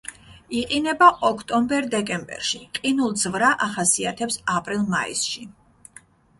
იყინება ოქტომბერ-დეკემბერში, ყინულძვრა ახასიათებს აპრილ-მაისში.